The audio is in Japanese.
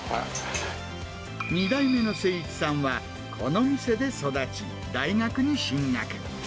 ２代目の誠一さんはこの店で育ち、大学に進学。